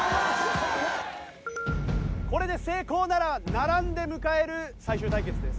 これで成功なら並んで迎える最終対決です。